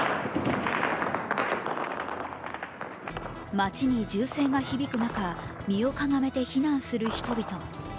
町に銃声が響く中身をかがめて避難する人々。